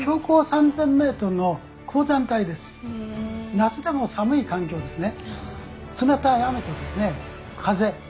夏でも寒い環境ですね。